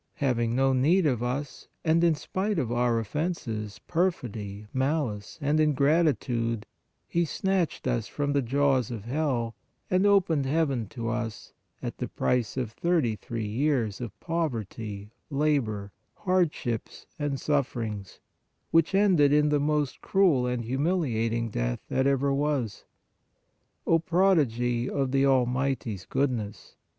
Having no need of us and in spite of our offenses, perfidy, malice and ingratitude, He snatched us from the jaws of hell and opened heaven to us, at the price of thirty three years of poverty, labor, hardships and sufferings, which ended in the most cruel and humiliating death that ever was. O prodigy of the Almighty s goodness!